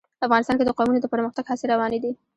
افغانستان کې د قومونه د پرمختګ هڅې روانې دي.